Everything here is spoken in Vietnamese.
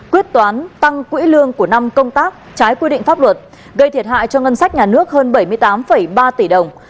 quyết toán tăng quỹ lương của năm công tác trái quy định pháp luật gây thiệt hại cho ngân sách nhà nước hơn bảy mươi tám ba tỷ đồng